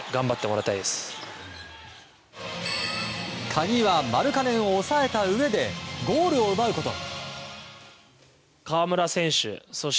鍵はマルカネンを抑えたうえでゴールを奪うこと。